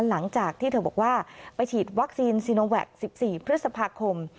หลังจากที่เธอบอกว่าไปฉีดวัคซีนซีโนแวค๑๔พฤษภาคม